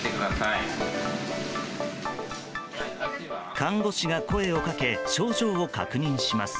看護師が声をかけ症状を確認します。